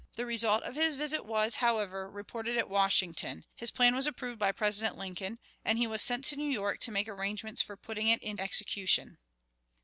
The result of his visit was, however, reported at Washington, his plan was approved by President Lincoln, and he was sent to New York to make arrangements for putting it in execution.